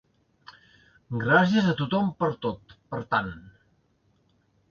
Gràcies a tothom per tot, per tant.